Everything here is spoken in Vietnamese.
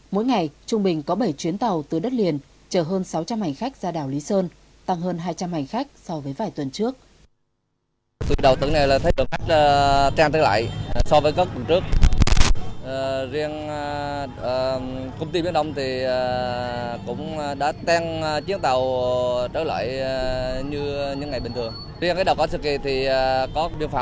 mỗi ngày trung bình có bảy chuyến tàu từ đất liền chờ hơn sáu trăm linh hành khách ra đảo lý sơn tăng hơn hai trăm linh hành khách so với vài tuần trước